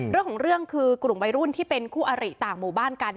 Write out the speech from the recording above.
เรื่องของเรื่องคือกลุ่มวัยรุ่นที่เป็นคู่อริต่างหมู่บ้านกัน